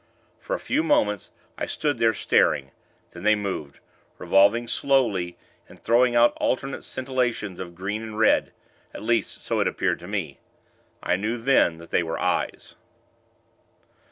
For a few moments, I stood there, staring. Then they moved revolving slowly, and throwing out alternate scintillations of green and red; at least, so it appeared to me. I knew then that they were eyes.